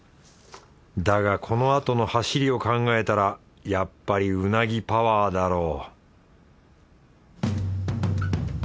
だがこのあとの走りを考えたらやっぱりうなぎパワーだろう